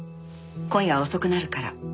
今夜は遅くなるから。